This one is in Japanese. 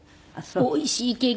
おいしいケーキ。